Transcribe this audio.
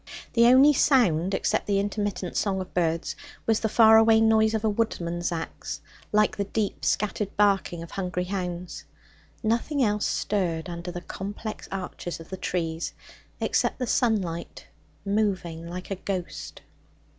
The only sound except the intermittent song of birds, was the far away noise of a woodman's axe, like the deep scattered barking of hungry hounds. Nothing else stirred under the complex arches of the trees except the sunlight, moving like a ghost.